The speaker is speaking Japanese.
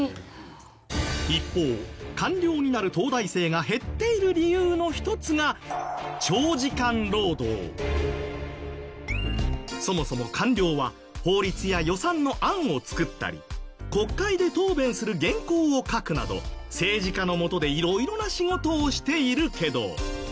一方官僚になる東大生が減っている理由の一つがそもそも官僚は法律や予算の案を作ったり国会で答弁する原稿を書くなど政治家のもとでいろいろな仕事をしているけど。